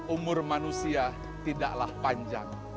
umur manusia tidaklah panjang